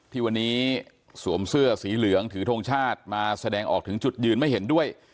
ที่วันนี้สวมเสื้อสีเหลืองถือทงชาติมาแสดงออกถึงจุดยืนไม่เห็นด้วย